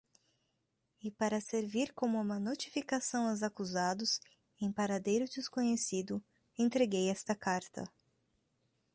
E, para servir como uma notificação aos acusados, em paradeiro desconhecido, entreguei esta carta.